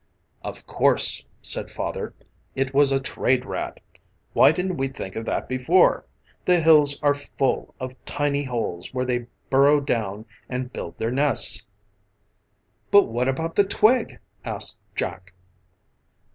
"Of course," said Father, "it was a trade rat. Why didn't we think of that before? The hills are full of tiny holes where they burrow down and build their nests." "But what about the twig?" asked Jack.